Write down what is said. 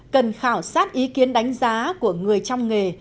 cần khảo sát ý kiến đánh giá của người trong nghề